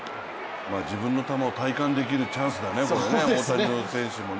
自分の球を体感できるチャンスだね、大谷選手もね。